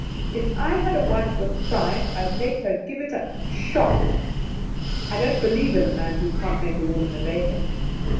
If I had a wife with pride I'd make her give it up, sharp. I don't believe in a man who can't make a woman obey him.